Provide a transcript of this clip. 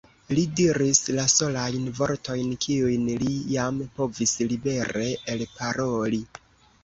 Li diris la solajn vortojn, kiujn li jam povis libere elparoli.